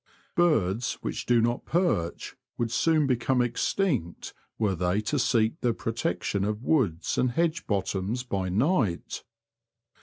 Birds which do not perch would soon become extinct were they to seek the pro tection of woods and hedge bottoms by night.